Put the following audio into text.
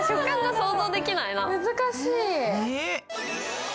難しい。